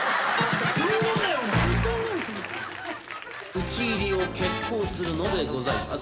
討ち入りを決行するのでございます。